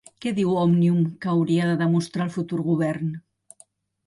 Què diu Òmnium que hauria de demostrar el futur govern?